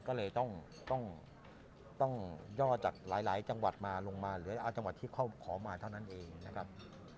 ก็เลยต้องย่อจากหลายจังหวัดมาลงมาเหลือเอาจังหวัดที่เขาขอมาเท่านั้นเองนะครับ